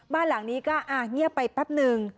บ้านหลังนี้ก็เงียบไปแป๊บนึง